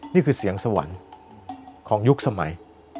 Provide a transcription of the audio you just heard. นี่คือเสียงสวรรค์ของยุคสมัย